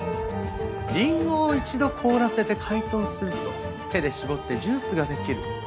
リンゴを一度凍らせて解凍すると手で搾ってジュースができる。